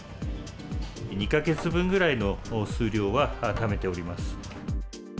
２か月分ぐらいの数量はためております。